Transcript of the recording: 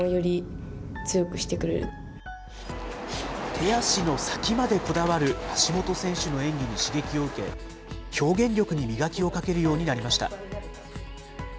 手足の先までこだわる橋本選手の演技に刺激を受け、表現力に磨きをかけるようになりました。